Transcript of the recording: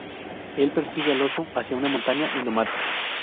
Él persigue al oso hacia una montaña y lo mata.